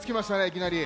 いきなり。